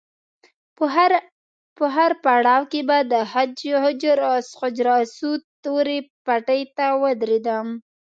په هر پړاو کې به د حجر اسود تورې پټۍ ته ودرېدم.